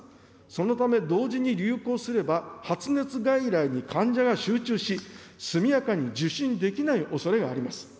そのため、同時に流行すれば、発熱外来に患者が集中し、速やかに受診できないおそれがあります。